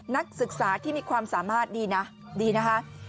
นักศึกษาที่มีความสามารถดีนะดีนะคะ